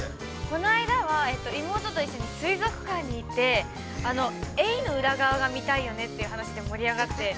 ◆こないだは、妹と一緒に水族館に行って、エイの裏側が見たいよねっていう話で盛り上がって。